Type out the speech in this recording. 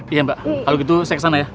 iya mbak kalau gitu saya ke sana ya